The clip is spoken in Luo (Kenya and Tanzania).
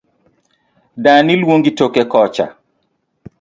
Dani luongi toke kocha